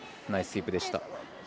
ナイススイープでした。